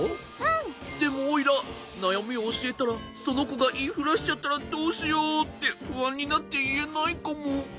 でもおいらなやみをおしえたらそのこがいいふらしちゃったらどうしようってふあんになっていえないかも。